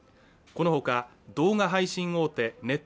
このほか動画配信大手